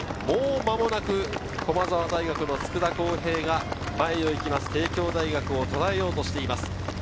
もう間もなく駒澤大学の佃康平が前を行く帝京大学をとらえようとしています。